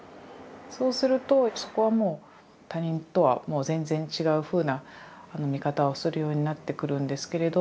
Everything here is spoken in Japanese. そうするとそこはもう他人とは全然違うふうな見方をするようになってくるんですけれど。